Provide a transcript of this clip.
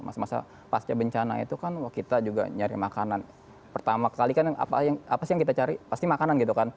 masa masa pasca bencana itu kan kita juga nyari makanan pertama kali kan apa sih yang kita cari pasti makanan gitu kan